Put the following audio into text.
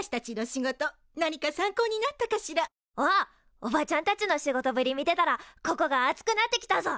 おばちゃんたちの仕事ぶり見てたらここが熱くなってきたぞ！